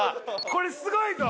これすごいぞ。